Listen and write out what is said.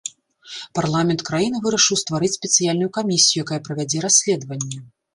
Парламент краіны вырашыў стварыць спецыяльную камісію, якая правядзе расследаванне.